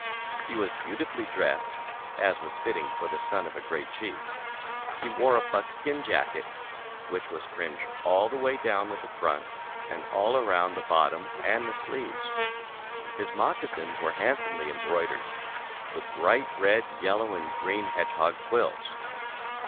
He was beautifully dressed, as was fitting for the son of a Great Chief. He wore buckskin iacket, which was fringed all ^ A ^ f A 11 A the way down the front and all around 206 ZAUBERLINDA, THE WISE WITCH. the bottom and the sleeves. His moccasins were handsomely embroidered with bright red, yellow and green hedge hog quills.